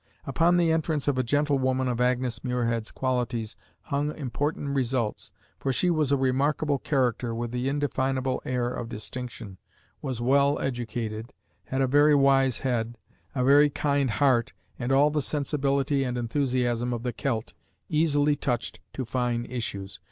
Upon the entrance of a gentlewoman of Agnes Muirhead's qualities hung important results, for she was a remarkable character with the indefinable air of distinction, was well educated, had a very wise head, a very kind heart and all the sensibility and enthusiasm of the Celt, easily touched to fine issues.